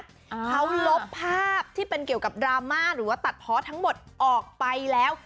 เขาลบภาพที่เป็นเกี่ยวกับดราม่าหรือว่าตัดเพาะทั้งหมดออกไปแล้ว